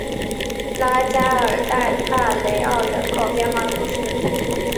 拉加尔代帕雷奥人口变化图示